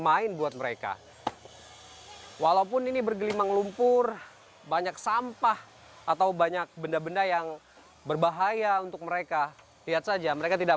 su studenya pengingggir dalam pendukung podcast keoga check out taekjo komunikasi lebih banyak lebih banyak bahasa ah